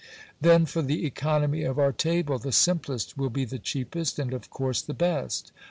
Then for the economy of our table, the simplest will be the cheapest, and of course the best.